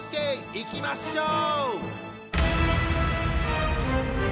いきましょう！